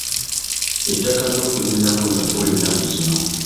Ettaka ly'okulimirako lya bbula ennaku zino.